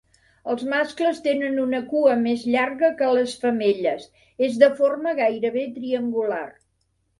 Els mascles tenen una cua més llarga que les femelles, és de forma gairebé triangular.